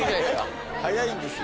早いんですよ。